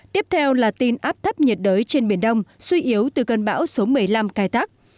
tiếp theo là tin áp thấp nhiệt đới trên biển đông suy yếu từ cơn bão số một mươi năm cài tắt